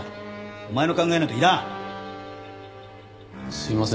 すいません。